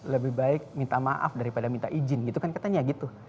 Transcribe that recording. lebih baik minta maaf daripada minta izin gitu kan katanya gitu